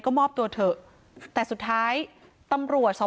พ่อของสทเปี๊ยกบอกว่า